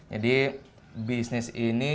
jadi bisnis ini